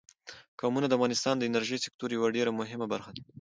قومونه د افغانستان د انرژۍ سکتور یوه ډېره مهمه برخه ده.